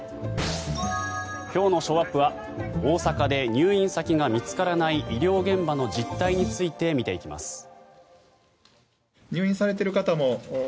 今日のショーアップは大阪で入院先が見つからない医療現場の実態について見ていきます。